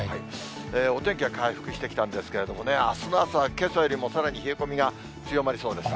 お天気は回復してきたんですけれどもね、あすの朝はけさよりもさらに冷え込みが強まりそうです。